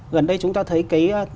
gần đây chúng ta thấy